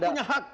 dia punya hak